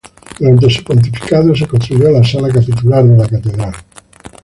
Durante su pontificado se construyó la Sala capitular de la catedral.